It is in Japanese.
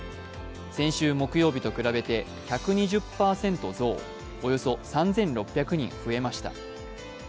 先週木曜日と比べて１２０％増、およそ３６００人増えました。